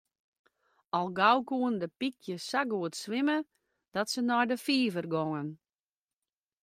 Al gau koenen de pykjes sa goed swimme dat se nei de fiver gongen.